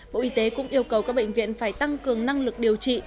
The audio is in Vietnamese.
bộ y tế cũng yêu cầu các bệnh viện phải tăng cường năng lực điều trị